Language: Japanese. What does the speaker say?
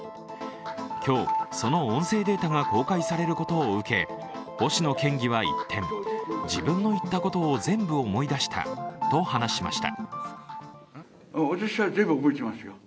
今日、その音声データが公開されることを受け、星野県議は一転、自分の言ったことを全部思い出したと話しました。